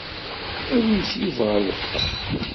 Awimt Yuba ɣer uxxam.